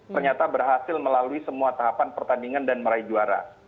ternyata berhasil melalui semua tahapan pertandingan dan meraih juara